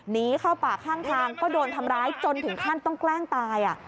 หนีเข้าป่าข้างทางก็โดนทำร้ายจนถึงขั้นต้องแกล้งตาย